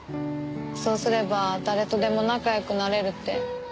そうすれば誰とでも仲良くなれるって。